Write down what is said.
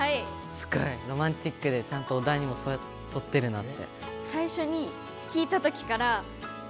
すごいロマンチックでちゃんとお題にもそってるなって。